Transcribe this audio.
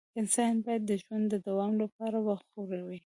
انسان باید د ژوند د دوام لپاره وخوري